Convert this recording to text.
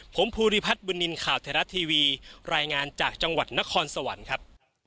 ผมภูริพัฒน์บุญนินทร์ข่าวไทยรัฐทีวีรายงานจากจังหวัดนครสวรรค์ครับ